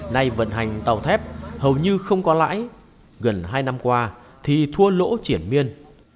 nay vận hành tàu thép hầu như không có lãi gần hai năm qua thì thua lỗ triển miên